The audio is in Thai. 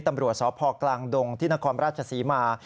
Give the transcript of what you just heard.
ตำรวจสพกลางดงที่นครราชศรีมา